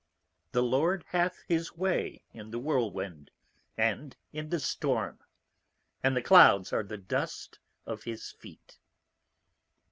_The Lord hath his way in the Whirlwind, and in the Storm, and the Clouds are the dust of his Feet.